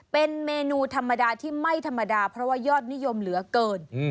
เป็นเมนูธรรมดาที่ไม่ธรรมดาเพราะว่ายอดนิยมเหลือเกิน